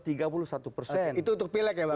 itu untuk pilek ya bang